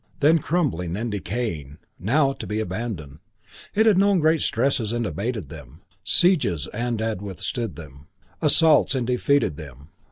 Then crumbling, then decaying. Now to be abandoned. It had known great stresses and abated them; sieges and withstood them; assaults and defeated them.